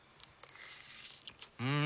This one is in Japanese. うん！